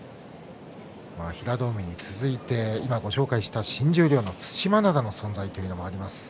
平戸海に続いて今ご紹介した新十両の對馬洋の存在もあります。